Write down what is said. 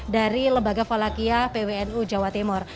dari lembaga falakia pwnu jawa timur